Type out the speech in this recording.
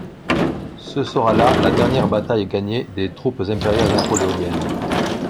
Ce sera là la dernière bataille gagnée des troupes impériales napoléoniennes.